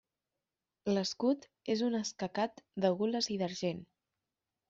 L'escut és un escacat de gules i d'argent.